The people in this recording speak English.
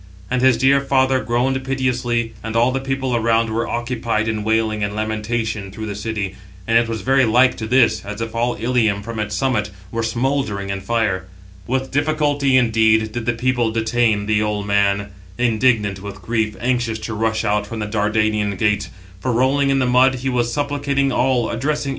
And his dear father groaned piteously, and all the people around were occupied in wailing and lamentation through the city; and it was very like to this, as if all Ilium, from its summit, were smouldering in fire. With difficulty indeed did the people detain the old man, indignant with grief anxious to rush out from the Dardanian gates: for rolling in the mud, he was supplicating all, addressing each man by name: Footnote 713: (return) "This hymn consisted in a repetition, cf.